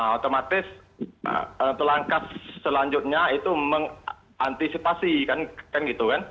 otomatis langkah selanjutnya itu mengantisipasi kan gitu kan